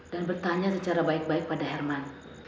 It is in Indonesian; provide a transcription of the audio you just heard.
dan bertanya secara baik baik pada herman